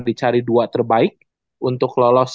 dicari dua terbaik untuk lolos